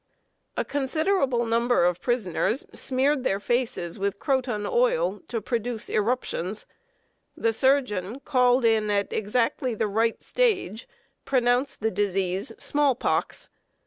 A considerable number of prisoners smeared their faces with croton oil to produce eruptions. The surgeon, called in at exactly the right stage, pronounced the disease small pox.